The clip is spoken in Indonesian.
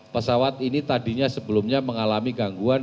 pesawat ini tadinya sebelumnya mengalami gangguan